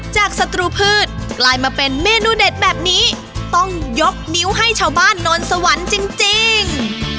ศัตรูพืชกลายมาเป็นเมนูเด็ดแบบนี้ต้องยกนิ้วให้ชาวบ้านนนสวรรค์จริง